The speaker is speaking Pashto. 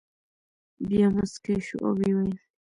بیا مسکی شو او ویې ویل.